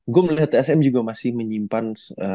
gue melihat tsm juga masih menyimpan